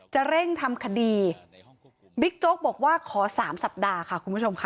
จะเร่งทำคดีบิ๊กโจ๊กบอกว่าขอสามสัปดาห์ค่ะคุณผู้ชมค่ะ